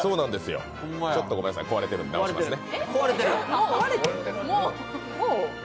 ちょっとごめんなさい、壊れてるので、直しますね。